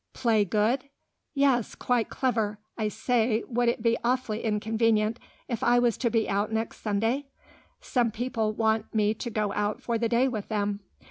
"Play good?" "Yes, quite clever.... I say, would it be awfully inconvenient if I was to be out next Sunday? Some people want me to go out for the day with them.